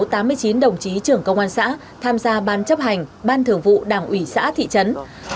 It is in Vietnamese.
trong năm hai nghìn một mươi chín đồng chí trưởng công an xã tham gia ban chấp hành ban thưởng vụ đảng ủy xã thị trấn